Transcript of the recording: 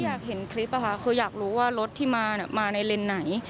อยากเห็นคลิปค่ะคืออยากรู้ว่ารถที่มามาในเลนส์ไหน